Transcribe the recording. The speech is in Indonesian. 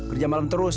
kerja malam terus